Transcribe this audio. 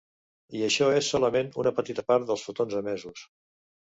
I això és solament una petita part dels fotons emesos.